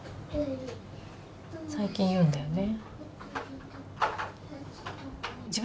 最近、言うんだよね。